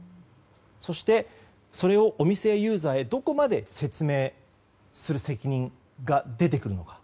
そして、それをお店やユーザーへどこまで説明する責任が出てくるのか。